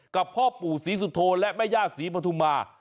กับพ่อปู่ศรีสุโธและแม่ย่าศรีปฐุมา